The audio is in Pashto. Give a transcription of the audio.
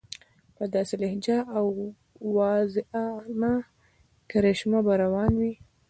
په داسې لهجه او واعظانه کرشمه به روان وي.